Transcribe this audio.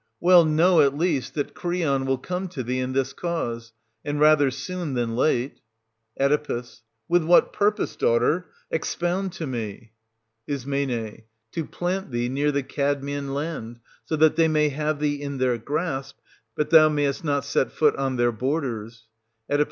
Well, know, at least, that Creon will come to thee in this cause — and rather soon than late. Oe. With what purpose, daughter.? expound to me. Is. To plant thee near the Cadmean land, so that they may have thee in their grasp, but thou mayest not set foot on their borders. 400 Oe.